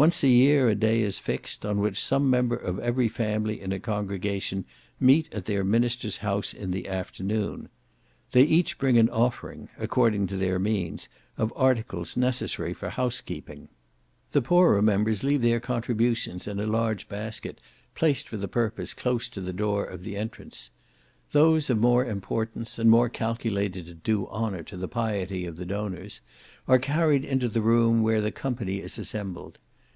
Once a year a day is fixed, on which some member of every family in a congregation meet at their minister's house in the afternoon. They each bring an offering (according to their means) of articles necessary for housekeeping. The poorer members leave their contributions in a large basket, placed for the purpose, close to the door of entrance. Those of more importance, and more calculated to do honour to the piety of the donors, are carried into the room where the company is assembled.